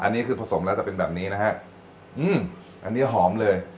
อันนี้คือผสมแล้วจะเป็นแบบนี้นะฮะอืมอันนี้หอมเลย